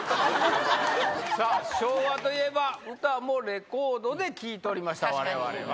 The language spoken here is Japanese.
さあ、昭和といえば、歌もレコードで聴いておりました、われわれは。